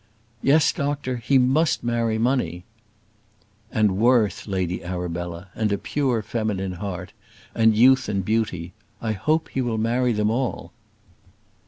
"Yes, doctor; he must marry money." "And worth, Lady Arabella; and a pure feminine heart; and youth and beauty. I hope he will marry them all."